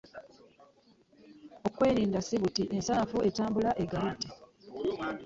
Okwerinda si buti ensanafu etambula egaludde.